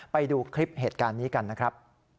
ไปดูคลิปเหตุการณ์นี้กันนะครับ